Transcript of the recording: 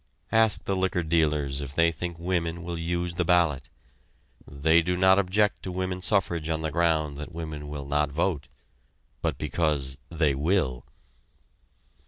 Ask the liquor dealers if they think women will use the ballot. They do not object to woman suffrage on the ground that women will not vote, but because they will.